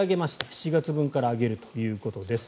７月分から上げるということです。